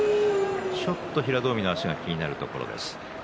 ちょっと平戸海の足が気になるところです。